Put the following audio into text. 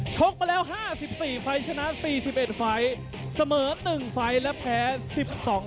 ชกมาแล้ว๕๔ฟัยชนะ๔๑ฟัยเสมอ๑ฟัยและแพ้๑๒ฟัยครับ